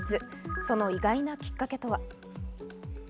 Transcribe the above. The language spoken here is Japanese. その意外なきっかけとは。